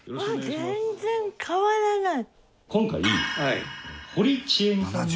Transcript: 全然変わらない。